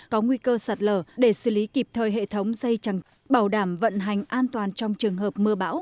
có nguy cơ sạt lở để xử lý kịp thời hệ thống dây chẳng bảo đảm vận hành an toàn trong trường hợp mưa bão